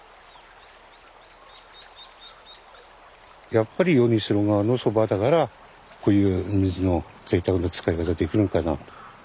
やっぱり米代川のそばだからこういう水のぜいたくな使い方ができるんかなと。